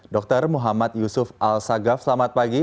dr muhammad yusuf al sagaf selamat pagi